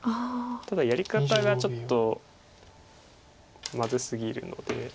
ただやり方がちょっとまずすぎるので。